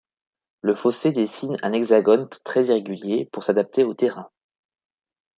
Le fossé dessine un hexagone très irrégulier pour s'adapter au terrain.